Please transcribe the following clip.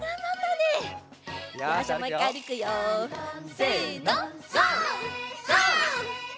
せの！